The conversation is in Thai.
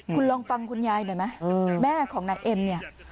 คุณลองฟังคุณยาย